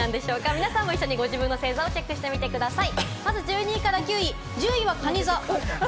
皆さんもご自身の星座を一緒にチェックしてみてください。